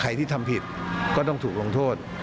ที่ทำผิดก็ต้องถูกลงโทษ